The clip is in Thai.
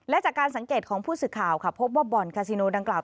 และจากการสังเกตของผู้สื่อข่าวค่ะพบว่าบ่อนคาซิโนดังกล่า